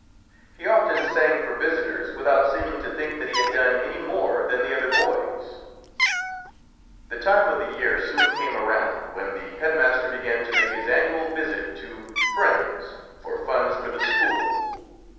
He often sang for visitors without seeming to think that he had done any more than the other boys. SAMUEL COLERIDGE TAYLOR [ 133 The time of the year soon came around when the headmaster began to make his annual visit to friends for funds for the school.